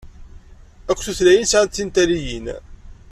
Akk tutlayin sɛant tintalyin.